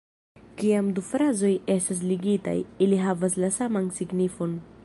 Kiam du frazoj estas ligitaj, ili havas la saman signifon.